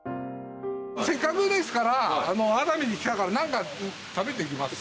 せっかくですから熱海に来たから何か食べていきますか？